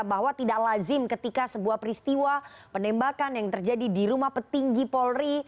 bahwa tidak lazim ketika sebuah peristiwa penembakan yang terjadi di rumah petinggi polri